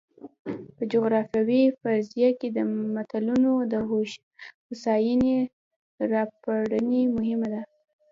په جغرافیوي فرضیه کې د ملتونو د هوساینې را سپړنه مهمه ده.